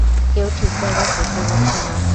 কেউ ঠিক করবার চেষ্টা করছে না।